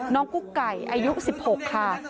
กุ๊กไก่อายุ๑๖ค่ะ